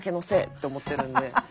って思ってるんで。